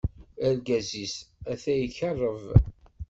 Argaz-is ata ikeṛṛeb.